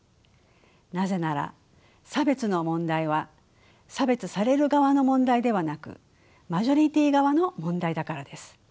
なぜなら差別の問題は差別される側の問題ではなくマジョリティー側の問題だからです。